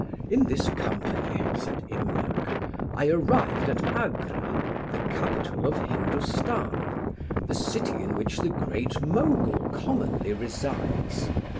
"In this company," said Imlac, "I arrived at Agra, the capital of Hindostan, the city in which the Great Mogul commonly resides.